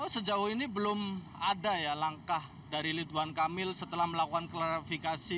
sejauh ini belum ada ya langkah dari ridwan kamil setelah melakukan klarifikasi